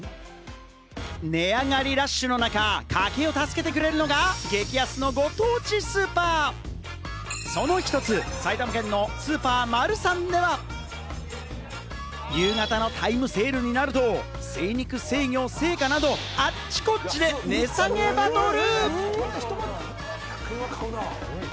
値上がりラッシュの中、家計を助けてくれるのが激安のご当地スーパー、その一つ、埼玉県・スーパーマルサンでは、夕方のタイムセールになると、精肉、鮮魚、青果など、あちこちで値下げバトル！